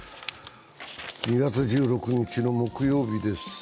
２月１６日の木曜日です。